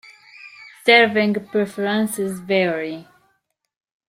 Serving preferences vary.